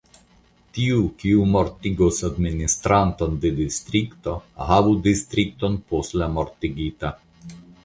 Tiu, kiu mortigos administranton de distrikto, havu distrikton post la mortigita.